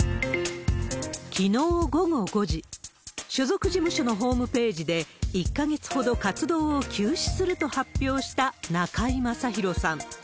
きのう午後５時、所属事務所のホームページで、１か月ほど活動を休止すると発表した中居正広さん。